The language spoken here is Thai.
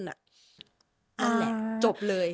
แล้วแหละจบเลย